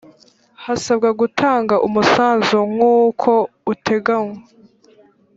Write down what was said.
hasabwa gutanga umusanzu nk uko uteganywa